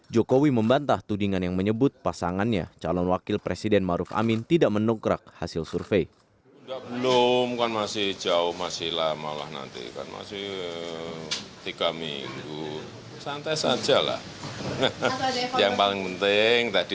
jokowi membantah tudingan yang menyebut pasangannya calon wakil presiden maruf amin tidak menongkrak hasil survei